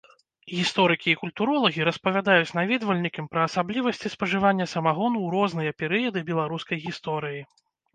Гісторыкі і культуролагі распавядаюць наведвальнікам пра асаблівасці спажывання самагону ў розныя перыяды беларускай гісторыі.